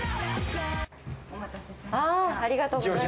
お待たせしました。